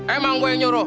emang gua yang nyuruh